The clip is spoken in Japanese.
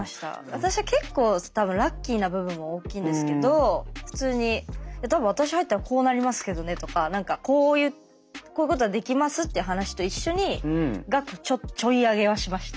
私は結構多分ラッキーな部分も大きいんですけど普通に「多分私入ったらこうなりますけどね」とか何か「こういうことができます」って話と一緒に額ちょい上げはしました。